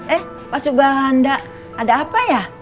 eh pak subahanda ada apa ya